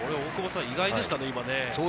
意外でしたね。